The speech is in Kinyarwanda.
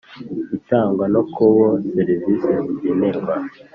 Itangwa no ku bo servisi zigenerwa